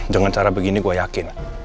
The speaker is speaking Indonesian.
dengan cara begini gue yakin